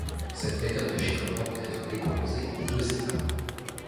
Cette méthode de chiffrement peut être décomposée en deux étapes.